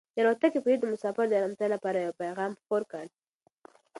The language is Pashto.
د الوتکې پېلوټ د مسافرو د ارامتیا لپاره یو پیغام خپور کړ.